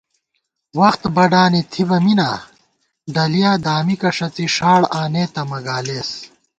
وخت بَڈانی تھِبہ مِنا ڈلِیَہ دامِکہ ݭڅی ݭاڑ آنېتہ مہ گالېس